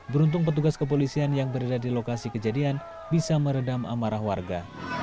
beruntung petugas kepolisian yang berada di lokasi kejadian bisa meredam amarah warga